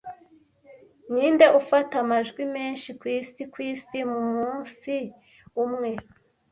Ninde ufata amajwi menshi kwisi kwisi mumunsi umwe